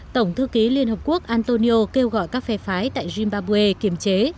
tổng thư ký liên hợp quốc antonio kêu gọi các phe phái tại zimbabwe kiềm chế